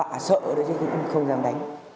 chế tạo những cái này thì cũng không dám đánh